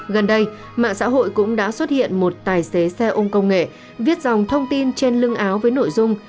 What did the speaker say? gần đây mạng xã hội cũng đã xuất hiện một tài xế xe ôm công nghệ viết dòng thông tin trên lưng áo với nội dung